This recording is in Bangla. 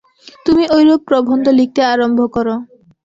তুই ঐরূপ প্রবন্ধ লিখতে আরম্ভ কর।